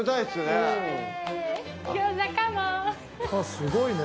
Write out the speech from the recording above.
すごいね。